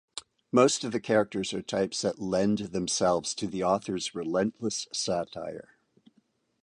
Most of the characters are types that lend themselves to the author's relentless satire.